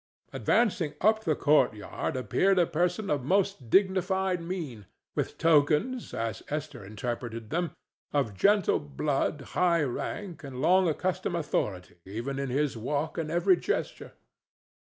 Advancing up the court yard appeared a person of most dignified mien, with tokens, as Esther interpreted them, of gentle blood, high rank and long accustomed authority even in his walk and every gesture.